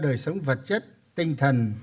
đời sống vật chất tinh thần